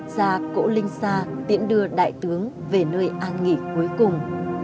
ra cổ linh sa tiễn đưa đại tướng về nơi an nghỉ cuối cùng